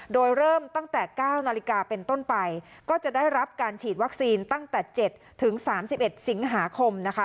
โดยเริ่มตั้งแต่๙นาฬิกาเป็นต้นไปก็จะได้รับการฉีดวัคซีนตั้งแต่๗๓๑สิงหาคมนะคะ